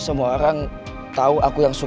semua orang tau aku yang salah